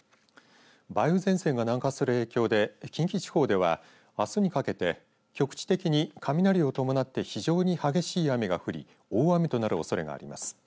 梅雨前線が南下する影響で近畿地方では、あすにかけて局地的に雷を伴って非常に激しい雨が降り大雨となるおそれがあります。